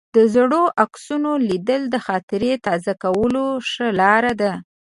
د زړو عکسونو لیدل د خاطرو تازه کولو ښه لار ده.